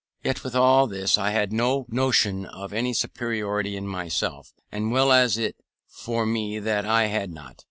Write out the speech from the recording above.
Yet with all this I had no notion of any superiority in myself; and well was it for me that I had not.